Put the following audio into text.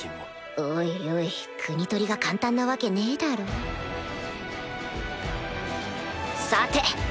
おいおい国盗りが簡単なわけねえだろさて。